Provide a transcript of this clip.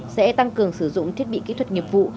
sẽ tăng cường sử dụng thiết bị kỹ thuật nghiệp vụ